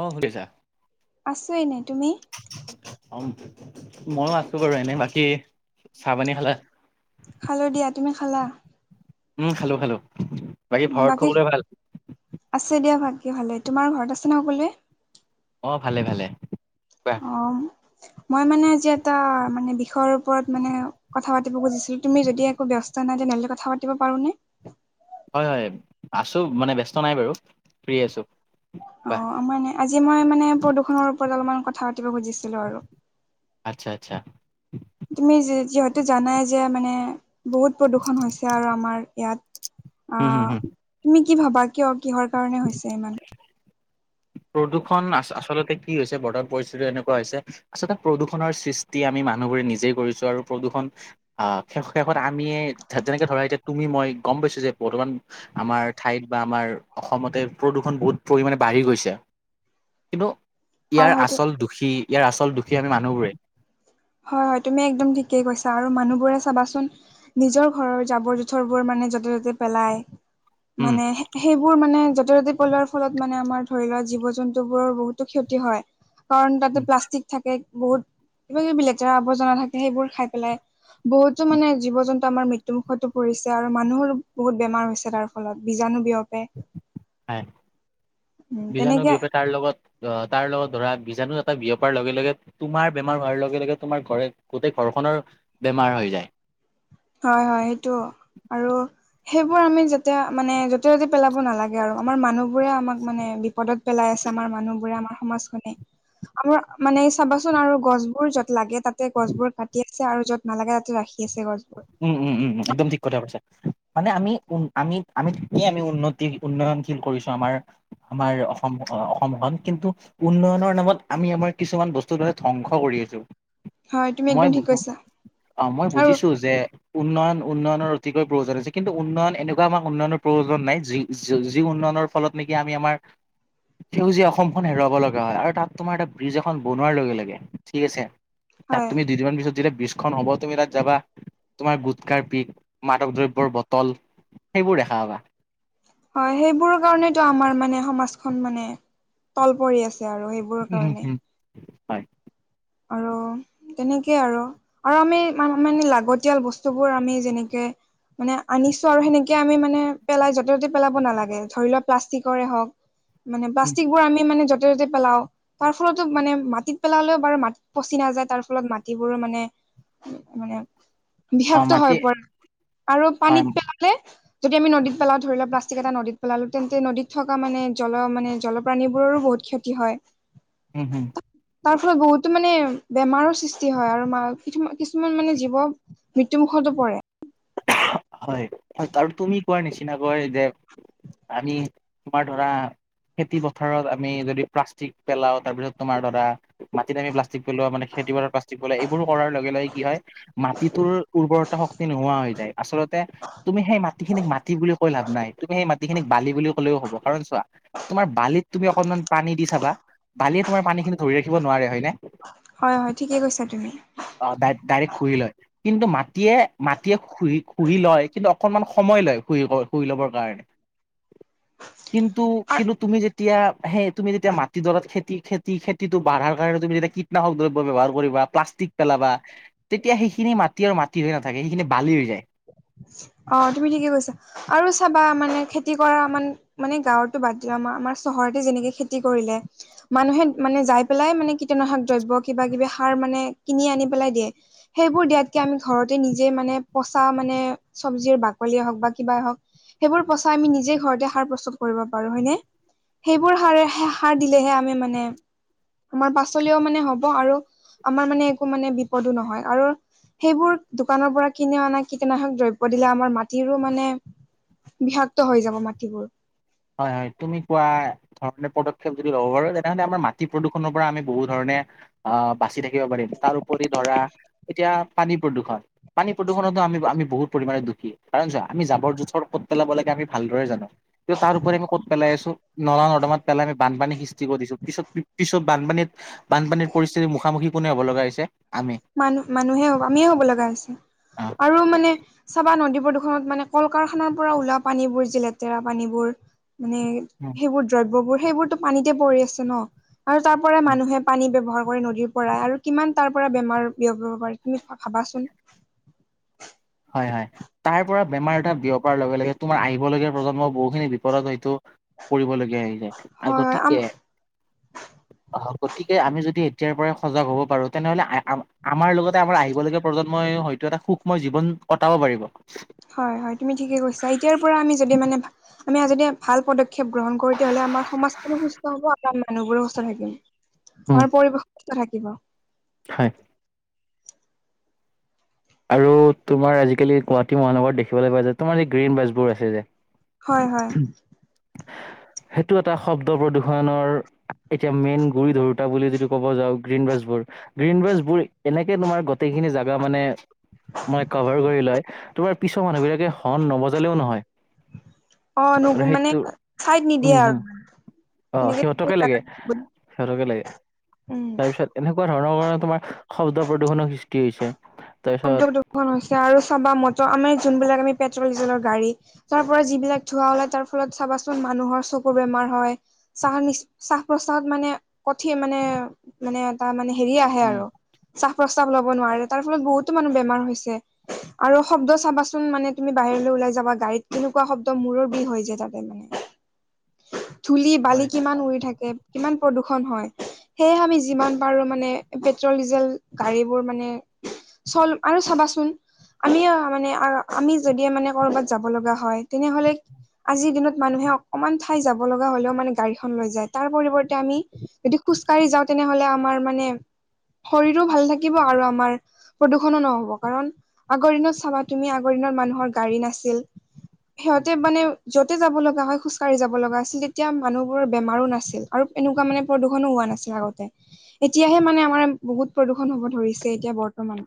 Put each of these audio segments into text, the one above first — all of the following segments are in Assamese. অ, সুধিছা। আছো এনেই তুমি অ, ময়ো আছো বাৰু এনে বাকী চাহ-পানী খালে? খালো দিয়া তুমি খালা? উম, খালো খালো। ঘৰত বাকী খবৰে ভাল আছে দিয়া বাকী ভালে, তোমাৰ ঘৰত আছে ন সকলোৱে? অ, ভালে ভালে। কোৱা অ, মই মানে আজি এটা মানে বিষয়ৰ ওপৰত মানে কথা পাতিব খুজিছিলো তুমি যদি একো ব্যস্ত নাই তেনেহ'লে কথা পাতি পাৰোনে? হয় হয়, আছোঁ মানে ব্যস্ত নাই বাৰু ফ্ৰী আছোঁ। অ, মইে আজি মই মানে প্ৰদূষণৰ ওপৰত অলপমান কথা পাতিব খুজিছিলো আৰু। আচ্ছা আচ্ছা। তুমি যিহেতু জানাই যে মানে বহুত প্ৰদূ্ষন হৈছে আৰু আমাৰ ইয়াত হয়, হয়, আহ হয়। তুমি কি ভাবা কিয় কিহৰ কাৰণে হৈছে ইমান? প্ৰদূৰ্ষণ আচলতে কি হৈছে, বৰ্তমান পৰিস্থিতি এনেকুৱা হৈছে আচলতে প্ৰদূষণৰ সৃষ্টি আমি মানুহবোৰে নিজেই কৰিছো আৰু প্ৰদূষণ আহ শেষত আমিয়ে যেনেকে ধৰা এতিয়া তুমি মই গম পাইছো যে বৰ্তমান আমাৰ ঠাইত বা আমাৰ অসমতে প্ৰদূষণ বহুত পৰিমামানে বাঢ়ি গৈছে। কিন্তু হয় ইয়াৰ হয়তো আচল দুখী ইয়াৰ আচল দুখী আমি মানুহবোৰে। হয় হয়, তুমি একদম ঠিকেই কৈছা আৰু মানুহবোৰে চাবাচোন নিজৰ ঘৰৰ জাবৰ জোথৰ বোৰ মানে য'তে ত'তে পেলাই, উম মানে সেইবোৰ মানে য'তে ত'তি পলোৱাৰ ফলত মানে আমাৰ ধৰি লোৱা জীৱ জন্তু বোৰৰ বহুতো ক্ষতি হয়। কাৰণ তাতে প্লাষ্টিক থাকে বহুত কিবা কিবি লেতেৰা আৱৰ্জনা থাকে সেইবোৰ খাই পেলাই। বহুতো মানে জীৱ-জন্তু আমাৰ মৃত্যুমুখতো পৰিছে আৰু মানুহৰো বহুত বেমাৰ হৈছে, তাৰ লত, বিজাণু বিয়পে। হ, উম বিজাণু তেনেকে বিয়পি তাৰ লগত। অ, তাৰ লগত ধৰা বিজাণু এটা বিয়পাৰ লগে লগে। তোমাৰ বেমাৰ হোৱাৰ লগে লগে তোমাৰ ঘৰে গোটেই ঘৰখনৰ বেমাৰ হৈ যায়। হয় হয় সেইটো আৰু সেইবোৰ আমি যেতে মানে য'তে য'তে পেলাব নালাগে আৰু আমাৰ মানুহ বোৰে আমাক মানে বিপদত পেলাই আছে আমাৰ মানুহবোৰে আমাৰ সমাজখনে। আমাৰ মানে চাবাচোন আৰু গছবোৰ য'ত লাগে তাতে গছবোৰ কাটিয়ে থা আৰু য'ত নালাগে তাতে ৰাখি আছে গছবোৰ। উম, উম, উম, একদম ঠিক কথা কৈছে। মানে আমি উ, আমি আমিই আমি উন্নতি উন্নয়নশীল কৰিছো আমাৰ আমাৰ অসম, অসম অসমখন কিন্তু উন্নয়নৰ নামত আমি আমাৰ কিছুমান বস্তুৰ দৰে ধ্বংস কৰি আছো। হয় তুমি মই একদম ঠিক কৈছা অ, মই আৰু বুজিছো যে উন্নয়ন, উন্নয়নৰ অতিকৈ প্ৰয়োজন হৈছে, কিন্তু উন্নয়ন এনেকুৱা আমাৰ উন্নয়নৰ প্ৰয়োজন নাই যি-য-যি উন্নয়নৰ ফলত নেকি, আমি আমাৰ সেউজীয়া অসমখন হেৰুৱাব লগা হয়, আৰু তাত তোমাৰ এটা ব্ৰিজ এখন বনোৱাৰ লগে লগে ঠিক আছে তাত হয় তুমি দুদিনমান পিছত যেতিয়া ব্ৰিজখন হ'ব, তুমি তাত যাবা তোমাৰ গুটকাৰ পিক, মাদক দ্ৰব্যৰ বটল, সেইবোৰ দেখা পাবা। হয়, সেইবোৰৰ কাৰণেতো আমাৰ মানে সমাজখন মানে, তল পৰি আছে আৰু সেইব উম, উম, উম, হয়। আৰু তেনেকেই আৰু। আৰু আমি ম মানে লাগতিয়াল বস্তুবোৰ আমি যেনেকে মানে আনিছো আৰু সেনেকে আমি মানে পেলাই য'তে ত'তে পেলাব নালাগে। ধৰি লোৱা প্লাষ্টিকৰে হওক মানে প্লাষ্টিকবোৰ আমি মানে য'তে য'তে পেলাও, তাৰ ফলতো মানে মাটিত পেলালেও বাৰু মাট পচি নাযায়। তাৰ ফলত মাটিবোৰো মানে মানে অ বিষাক্ত হৈ মাটি পৰ। আৰু হয় পানীত পেলালে যদি আমি নদীত পেলাওঁ, ধৰি লোৱা প্লাষ্টিক এটা নদীত পেলালো তেন্তে নদীত থকা মানে জল মানে জলপ্ৰাণীবোৰৰো বহুত ক্ষতি হয়। হুম হুম। তাৰ ফলত বহুত টো মানে বেমাৰৰ সৃষ্টি হয়। আৰু মা কিছুমা কিছুমান মানে জীৱ মৃত্যু মুখতো পৰে। হয় হয়। কাৰণ তুমি কোৱাৰ নিচিনাকৈ যে আমি তোমাৰ ধৰা খেতি পথাৰত আমি যদি প্লাষ্টিক পেলাওঁ তাৰপিছত তোমাৰ দদা মাটিত আমি প্লাষ্টিক পেলোৱা মানে খেতি বাৰত প্লাষ্টিক পেলোৱা, এইবোৰো কৰাৰ লগে লগে কি হয় মাটিটোৰ উৰ্বৰতা শক্তি নোহোৱা হয়। আচলতে তুমি সেই মাটিখিনিক মাটি বুলি কৈ লাভ নাই। তুমি সেই মাটিখিনিক বালি বুলি ক'লেও হ'ব। কাৰণ চোৱা তোমাৰ বালিত তুমি অকনমান পানী দি চাবা। বালিয়ে তোমাৰ পানীখিনি ধৰি ৰাখিব নোৱাৰে, হয়নে? হয় হয়, ঠিকে কৈছা তুমি। অ', ডাই ডাইৰেক্ট শুহি লয়। কিন্তু মাটিয়ে মাটিয়ে শুহি শুহি লয়। কিন্তু অকনমান সময় লয় শুহি কৰ শুহি ল'বৰ কাৰণে। কিন্তু আৰু কিন্তু তুমি যে তেতিয়া সেই তুমি যেতিয়া মাটিডৰাত খেতি-খেতি-খেতিটো বাঢ়াৰ কাৰণে তুমি যেতিয়া কীটনাশক দ্ৰব্য ব্যৱহাৰ কৰিবা, প্লাছ টিক পেলাবা, তেতিয়া সেইখিনি মাটি আৰু মাটি হৈ নাথাকে, সেইখিনি বালি হৈ যায়। অ', তুমি ঠিকে কৈছা। আৰু চাবা মানে খেতি কৰা মান মানে গাঁৱৰতো বাদ দিয়া। আমাৰ-আমাৰ চহৰতে যেনেকে খেতি কৰিলে মানুহে মানে যাই পেলাই মানে কীটনাশক দ্ৰব্য কিবা-কিবি সাৰ মানে কিনি আনি পেলাই দিয়ে। সেইবোৰ দিয়াতকৈ আমি ঘৰতে নিজে মানে পচা মানে চব্জিৰ বাকলিয়ে হওক বা কিবাই হওক। সেইবোৰ পচাই আমি নিজে ঘৰতে সাৰ প্ৰস্তুত কৰিব পাৰো, হয়নে? সেইবোৰ সাৰেহে সাৰ দিলেহে আমি মানে আমাৰ পাচলিও মানে হ'ব। আৰু আমাৰ মানে একো মানে বিপদো নহয়। আৰু সেইবোৰ দোকানৰ পৰা কিনি অনা কীটনাশক দ্ৰইব ব্য দিলে আমাৰ মাটিৰো মানে বিষাক্ত হৈ যাব মাটিবোৰ। হয় হয়। তুমি কোৱা ধৰণে পদক্ষেপ যদি ল'ব পাৰো তেনেহ'লে আমাৰ মাটি প্ৰদূষণৰ পৰা আমি বহু ধৰণে অহ বাছি থাকিব পাৰিম। তাৰ উপৰি ধৰা এতিয়া পানী প্ৰদূৰষণ পানী প্ৰদূষণতো আমি-আমি বহুত পৰিমাণে দোষী। কাৰণ চোৱা আমি জাবৰ-জোথত ক'ত পেলাব লাগে আমি ভালদৰে জানো। কিন্তু তাৰোপৰি আমি ক'ত পেলাই আছো। নলা-নৰ্দমাত পেলাই আমি বানপানী সৃষ্টি কৰিছো। পিছত-পিছত বানপানীত বানপানীৰ পৰিস্থিতিৰ মুখামুখি কোনে হ'ব লগা হৈছে? আমি মানুহ মানুহে হ'ব, আমিয়ে হ'ব লগা হৈছে। আৰু মানে চাবা নদী প্ৰদূষণত মানে কল-কাৰখানাৰ পৰা ওলোৱা পানীবোৰ যে লেতেৰা পানীবোৰ মানে উম। বোৰ দ্ৰব্যবোৰ সেইবোৰতো পানীতে পৰি আছে ন। আৰু তাৰ পৰা অ মানুহে পানী ব্যৱহাৰ কৰি নদীৰ পৰাই আৰু কিমান তাৰ পৰা বেমাৰ বিয়পিব পাৰি তুমি ভাবাচোন। হয় হয়। তাৰ পৰা বেমাৰ এটা বিয়পাৰ লগে লগে তোমাৰ আহিব লগীয়া প্ৰজন্মৰ বহুখিনি বিপদত হয়তো পৰিবলগীয়া হৈ যায়। আৰু হয় আম গতিকে অ', গতিকে আমি যদি এতিয়াৰ পৰাই সজাগ হ'ব পাৰো তেনেহ'লে আমাৰ লগতে আমাৰ আহিবলগীয়া প্ৰজন্মই হয়তো এটা সুখময় জীৱন কটাব পাৰিব। হয় হয়। তুমি ঠিকে কৈছা। এতিয়াৰ পৰা আমি যদি মানে আমি যদি ভাল পদক্ষেপ গ্ৰহণ কৰো তেতিয়াহ'লে আমাৰ সমাজখনো সুস্থ হ'ব আৰু আমি মানুহবোৰো সুস্থ থাকিম। উম হয়, পৰিৱেশ [unintelligible] থাকিব। হয়। আৰু তোমাৰ আজিকালি গুৱাহাটী মহানগৰত দেখিবলৈ পাই যে, তোমাৰ যে গ্ৰীণ বাছবোৰ আছে যে। হয় হয় সেইটো এটা শব্দ প্ৰদূ্ষণৰ এতিয়া মেইন গুৰি ধৰোতা বুলি যদি ক'ব যাওঁ গ্ৰীণ বাছবোৰ, গ্ৰীণ বাছবোৰ এনেকে তোমাৰ গোটেইখিনি জাগা মানে মানে কভাৰ কৰি লয়, তোমাৰ পিছৰ মানুহ বিলাকে হৰ্ণ নবজালেও নহয়। অ', নো আৰু মানে সেইটো চাইত উম নিদিয়ে হম আৰু। অ', তেনেকে সিহঁতকে লাগে, সিহঁতকে লাগে উম তাৰপিছত এনেকুৱা ধৰণৰ কাৰণে তোমাৰ শব্দ প্ৰদূষনৰ সৃষ্টি হৈছে। তাৰপিছত দূষন হৈছে, আৰু চাবা মটৰ আমাৰ যোনবিলাক আমি পেট্ৰল ডিজেলৰ গাড়ী তাৰ পৰা যিবিলাক ধোঁৱা ওলাই, তাৰ ফলত চাবাচোন মানুহৰ চকু বেমাৰ হয়। চাহ নি শ্বাস-প্ৰশ্বাসত মানে কঠিন মানে মানে এটা মানে হেৰি আহে উম আৰু, শ্বাস-প্ৰশ্বাস লব নোৱাৰে তাৰ ফলত বহুতো মানুহ বেমাৰ হৈছে। আৰু শব্দ চাবাচোন মানে তুমি বাহিৰলৈ ওলাই যাবা গাড়ীত, কেনেকুৱা শব্দ মূৰৰ বিষ হৈ যায় তাতে মানে। ধুলি হয় বালি কিমান উৰি থাকে, কিমান প্ৰদূষন হয়। সেয়েহে আমি যিমান পাৰো মানে, পেট্ৰল ডিজেল গাড়ীবোৰ মানে চল আৰু চাবাচোন আমি মানে আমি যদি মানে কৰবাত যাব লগা হয়, তেনেহলে আজিৰ দিনত মানুহে অকণমান ঠাই যাব লগা হ'লেও মানে গাড়ীখন লৈ যায়, তাৰ পৰিৱৰ্তে আমি যদি খোজকাঢ়ি যাওঁ তেনেহলে আমাৰ মানে, শৰীৰো ভাল থাকিব আৰু আমাৰ প্ৰদূষণো নহ'ব, কাৰণ আগৰ দিনত চাবা তুমি আগৰ দিনত মানুহৰ গাড়ী নাছিল। সিহঁতে মানে যতে যাব লগা হয় খোজকাঢ়ি যাব লগা আছিল, তেতিয়া মানুহ বোৰৰ বেমাৰো নাছিল। আৰু এনেকুৱা মানে প্ৰদূষণো হোৱা নাছিল আগতে। এতিয়াহে মানে আমাৰ বহুত প্ৰদূষণ হ'ব ধৰিছে, এতিয়া বৰ্তমান।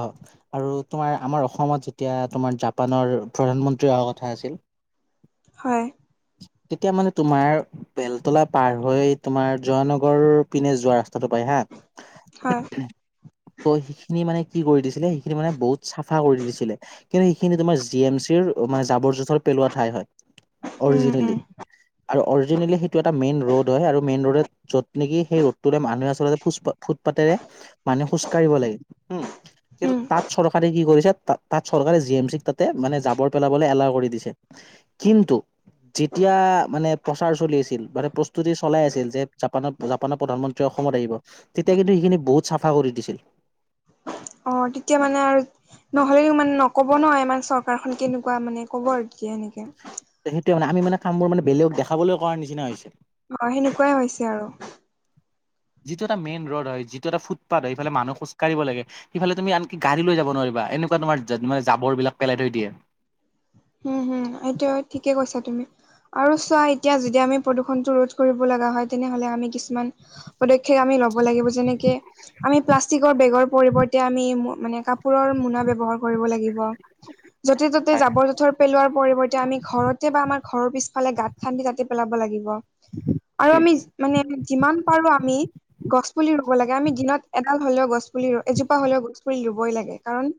অ'। আৰু তোমাৰ, আমাৰ অসমত যেতিয়া তোমাৰ জাপানৰ প্ৰধানমন্ত্ৰী অহা কথা আছিল হয়। তেতিয়া মানে তোমাৰ বেলতলা পাৰ হৈ তোমাৰ জয়ানগৰ পিনে যোৱা ৰাস্তাটো পাই হা। হয়। [inaudible] ত' সেইখিনি মানে কি কৰি দিছিলে সেইখিনি মানে বহুত চাফা কৰি দিছিলে, কিন্তু সেইখিনি তোমাৰ জি এম চি চিৰ মানে জাবৰ-জোঁথৰ পেলোৱা ঠাই হয় উম উম অৰিজিনেলি। আৰু অৰিজিনেলি সেইটো এটা মেইন ৰোড হয়, আৰু মেইন ৰোডত য'ত নেকি সেই ৰোডটোৰে মানুহে আচলতে ফুট ফুটপাতেৰে মানুহ খোজ কঢ়িব লাগে, উম কিন্তু উম তাত চৰকাৰে কি কৰিছে তাত তাত চৰকাৰে জি এম চি তাতে মানে জাবৰ পেলাবলৈ এলাও কৰি দিছে, কিন্তু এতিয়া মানে প্ৰচাৰ চলি আছিল, মানে প্ৰস্তুতি চলাই আছিল যে জাপানত জাপানৰ প্ৰধানমন্ত্ৰী অসমত আহিব, তেতিয়া কিন্তু সেইখিনি বহুত চাফা কৰি দিছিল। অ', তেতিয়া মানে আৰু নহ'লেও মানে নক'ব নহয়, ই আমাৰ চৰকাৰখন কেনেকুৱা মানে ক'ব আৰু তেতিয়া এনেকে। সেইটোৱে মানে, আমি মানে কামবোৰ মানে বেলেগক দেখাবলৈ কৰাৰ নিচিনা হৈছে। হয়, সেনেকুৱাই হৈছে আৰু। যিটো এটা মেইন ৰ'ড হয়, যিটো এটা ফুটপাত হয়। ইফালে মানুহ খোজকাঢ়িব লাগে সিফালে তুমি আনকি গাড়ী লৈ যাব নোৱাৰিবা, এনেকুৱা তোমাৰ মানে জাবৰবিলাক পেলাই থৈ দিয়ে। এইটোৱে ঠিকে কৈছা তুমি। আৰু চোৱা এতিয়া যদি আমি প্ৰদূষণটো ৰোধ কৰিব লগা হয়, তেনেহলে আমি কিছুমান পদক্ষেপ আমি লব লাগিব, যেনেকে আমি প্লাষ্টিকৰ বেগৰ পৰিৱৰ্তে, আমি মানে কাপোৰৰ মোনা ব্যৱহাৰ কৰিব লাগিব। য'তে ত'তে জাবৰ জোথৰ পেলোৱাৰ পৰিৱৰ্তে আমি ঘৰতে বা আমাৰ ঘৰৰ পিছফালে গাঁত খান্দি তাতে পেলাব লাগিব। আৰু আমি মানে যিমান পাৰো আমি গছপুলি ৰুব লাগে আমি দিনত এডাল হ'লেও গছ পুলি ৰু এজোপা হ'লেও গছ পুলি ৰুবই লাগে। কাৰণ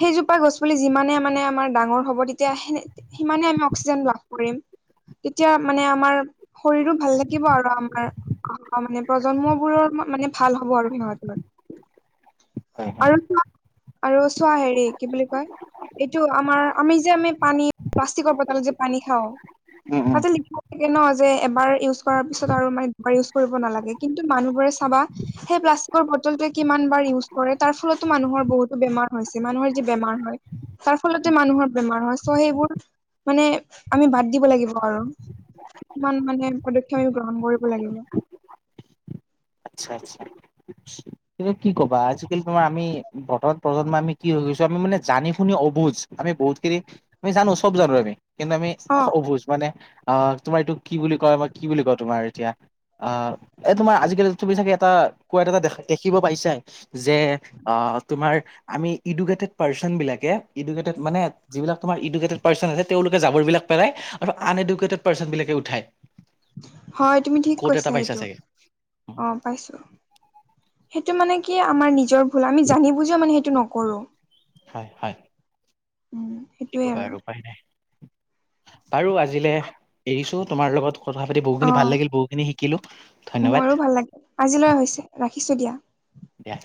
সেইজোপা গছ পুলি যিমানে মানে আমাৰ ডাঙৰ হ'ব তেতিয়া সেনে সিমানে আমি অক্সিজেন লাভ কৰিম, তেতিয়া মানে আমাৰ শৰীৰো ভাল লাগিব আৰু আমাৰ। অ' মানে নতুন প্ৰজন্মবোৰৰ মানে ভাল হ'ব আৰু সিহ'তলে। হয় হয় আৰু তোমাক আৰু চোৱা হেৰি কি বুলি কয় এইটো আমাৰ আমি যে আমি পানী প্লাষ্টিকৰ বতলত যে পানী খাওঁ, উম উম। তাতে লিখ তাকে ন যে এবাৰ ইউজ কৰাৰ পিছত আৰু মানে দুবাৰ ইউজ কৰিব নালাগে। কিন্তু মানুহবোৰে চাবা সেই প্লাষ্টিকৰ বটলটোৱে কিমান বাৰ ইউজ কৰে তাৰ ফলতো মানুহৰ বহুতো বেমাৰ হৈছে। মানুহৰ যি বেমাৰ হয় তাৰ ফলতে মানুহৰ বেমাৰ হয়। চ' সেইবোৰ মানে আমি বাদ দিব লাগিব আৰু। কিমান মানে পদক্ষেপ আমি গ্ৰহণ কৰিব লাগিব। আচ্ছা, আচ্ছা। এতিয়া কি ক'বা, আজিকালি তোমাৰ আমি বৰ্তমান প্ৰজন্ম আমি কি হৈ গৈছো, আমি মানে জানি শুনি অবুজ। আমি বহুতখিনি আমি জানো চব জানো আমি কিন্তু আমি অ অবুজ মানে। অ' তোমাৰ এইটো কি বুলি কয় মই কি বুলি কয় তোমাৰ এতিয়া অ' এ তোমাৰ আজিকালি তুমি চাগে এটা কোৱাত এটা দেখ দেখিব পাইছা যে আহ তোমাৰ আমি ইডুকেটেড পাৰ্চন বিলাকে ইডুকেটেড মানে যিবিলাক তোমাৰ পাৰ্চন আছে তেওঁলোকে জাবৰি বিলাক পেলই আৰু আন এডেটেড পাৰ্চন বিলাকে উঠাই। হয় তুমি ঠিক ক'ত কৈছা এটা পাইছা সেইটো। চাগে অ' পাইছো। সেইটো মানে কি আমাৰ নিজৰ ভুল আমি জানি বুজিও মানে সেইটো নকৰো। হয়, হয়। উম। কি ক'বা আৰু উপ উপায় নাই। বাৰু আজিলে এৰিছো তোমাৰ লগত কথা পাতি অ বহুখিনি ভাল লাগিল বহুখিনি শিকিলো ধন্যবাদ। ৰাখিছোঁ দিয়া। দিয়া।